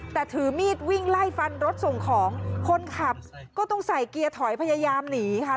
แต่ถือมีดวิ่งไล่ฟันรถส่งของคนขับก็ต้องใส่เกียร์ถอยพยายามหนีค่ะ